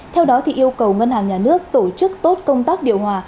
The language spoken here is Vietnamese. theo đó yêu cầu ngân hàng nhà nước tổ chức tốt công tác điều hòa